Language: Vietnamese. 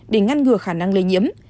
để ngăn ngừa khả năng lây nhiễm